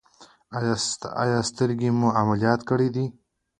ایا سترګې مو عملیات کړي دي؟